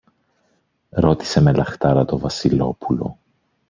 ρώτησε με λαχτάρα το Βασιλόπουλο.